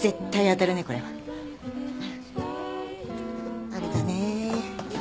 あれだね。